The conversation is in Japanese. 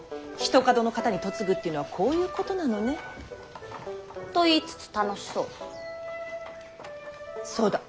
ひとかどの方に嫁ぐっていうのはこういうことなのね。と言いつつ楽しそう。